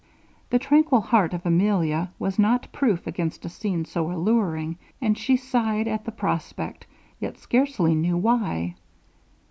The tranquil heart of Emilia was not proof against a scene so alluring, and she sighed at the prospect, yet scarcely knew why.